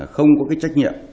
không có cái trách nhiệm